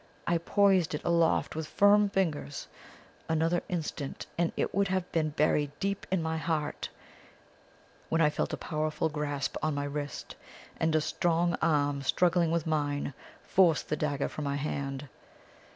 I poised it aloft with firm fingers another instant and it would have been buried deep in my heart, when I felt a powerful grasp on my wrist, and a strong arm struggling with mine forced the dagger from my hand.